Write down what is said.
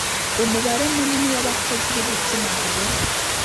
umubare munini wabakozi b’igitsinagabo,